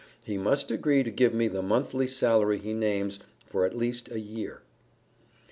He must agree to give me the monthly salary he names for at least a year."